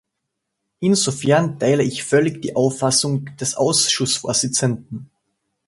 Insofern teile ich völlig die Auffassung des Ausschussvorsitzenden.